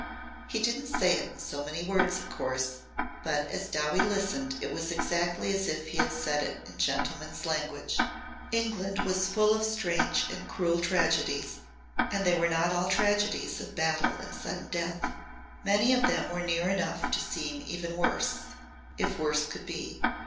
He didn't say it in so many words, of course, but as Dowie listened it was exactly as if he said it in gentleman's language. England was full of strange and cruel tragedies. And they were not all tragedies of battle and sudden death. Many of them were near enough to seem even worse if worse could be.